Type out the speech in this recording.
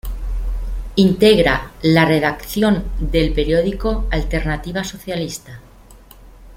Integra la redacción del periódico Alternativa Socialista.